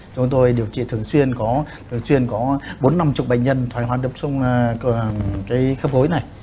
chúng tôi điều trị thường xuyên có bốn mươi năm mươi bệnh nhân thoải hóa đập xuống khớp gối này